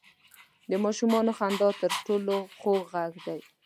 • د ماشومانو خندا تر ټولو خوږ ږغ دی.